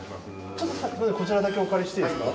ちょっとこちらだけお借りしていいですか？